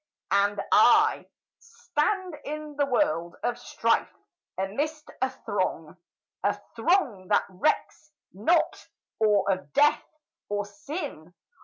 And I, Stand in the world of strife, amidst a throng, A throng that recks not or of death, or sin!